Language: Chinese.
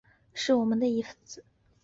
是我们的一分子